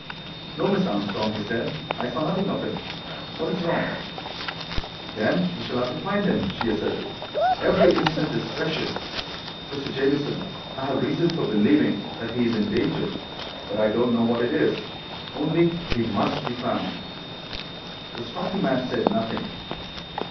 "No, Miss Armstrong," he said. "I saw nothing of him. What is wrong?" "Then we shall have to find him," she asserted. "Every instant is precious. Mr. Jamieson, I have reason for believing that he is in danger, but I don't know what it is. Only—he must be found." The stocky man had said nothing.